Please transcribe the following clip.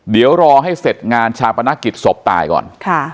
เดี๋ยวรอให้เสร็จงานชาปนกิจศพตายก่อน